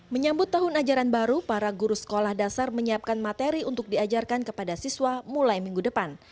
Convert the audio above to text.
menyambut tahun ajaran baru para guru sekolah dasar menyiapkan materi untuk diajarkan kepada siswa mulai minggu depan